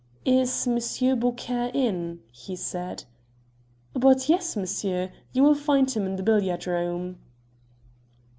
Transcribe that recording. "Is Monsieur Beaucaire in?" he said. "But yes, monsieur. You will find him in the billiard room."